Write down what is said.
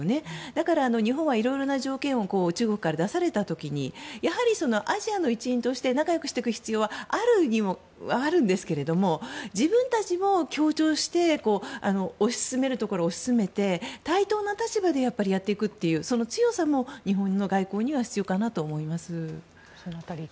だから、日本はいろいろな条件を中国から出された時にやはりアジアの一員として仲良くしていく必要はあるにはあるんですけれども自分たちも強調して推し進めるところは推し進めて対等な立場でやっていくという強さも日本の外交には必要かなと思います。